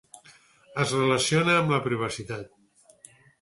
Es relaciona amb la privacitat.